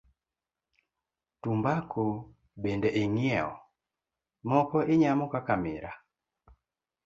Tumbako bende ing'weyo, moko inyamo kaka miraa.